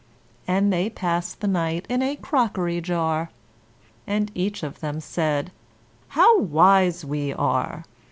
And they passed the night in a crockery jar; And each of them said, "How wise we are!